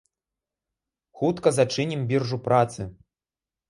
Хутка зачынім біржу працы!